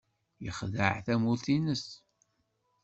Yexdeɛ tamurt-nnes.